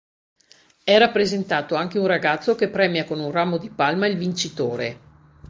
È rappresentato anche un ragazzo che premia con un ramo di palma il vincitore.